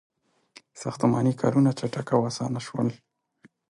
• ساختماني کارونه چټک او آسان شول.